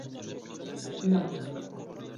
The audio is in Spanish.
Il nome!